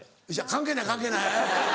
関係ない関係ない。